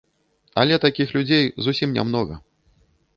Але такіх людзей зусім нямнога.